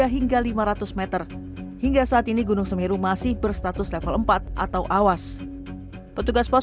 tiga hingga lima ratus m hingga saat ini gunung semeru masih berstatus level empat atau awas petugas pos